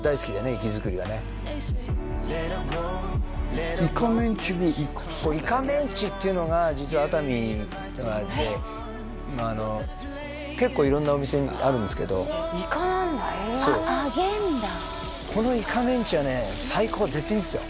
生きづくりがねイカメンチイカメンチっていうのが実は熱海には結構色んなお店にあるんですけどイカなんだへえ揚げるんだこのイカメンチはね最高絶品ですよ